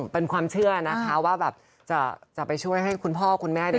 เป็นความเชื่อนะคะว่าแบบจะไปช่วยให้คุณพ่อคุณแม่เนี่ย